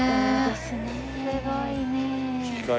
すごいねえ。